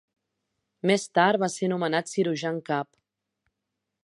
Més tard va ser nomenat cirurgià en cap.